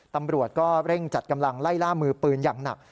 ตำรวจก็เร่งจัดกำลังไล่ล่ามือปืนอย่างหนัก